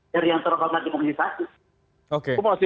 dari yang terangkat di komunisasi